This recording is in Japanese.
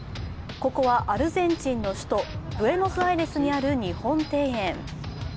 ここはアルゼンチンの首都ブエノスアイレスにある日本庭園。